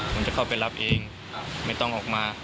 ผมจะเข้าไปรับเองไม่ต้องออกมา